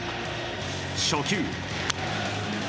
初球。